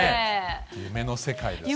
夢の世界ですね。